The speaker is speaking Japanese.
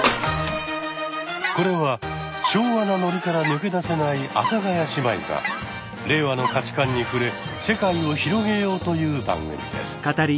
これは昭和なノリから抜け出せない阿佐ヶ谷姉妹が令和の価値観に触れ世界を広げようという番組です。